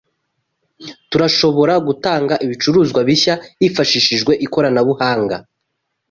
Turashobora gutanga ibicuruzwa bishya hifashishijwe ikoranabuhanga